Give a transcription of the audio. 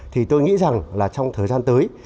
thì tôi nghĩ rằng là trong thời gian tới